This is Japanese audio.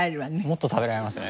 もっと食べられますね。